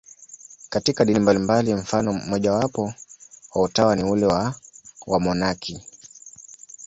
Katika dini mbalimbali, mfano mmojawapo wa utawa ni ule wa wamonaki.